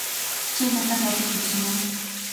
Чи энэ талаар бодож үзсэн үү?